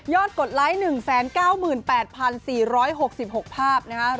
กดไลค์๑๙๘๔๖๖ภาพนะครับ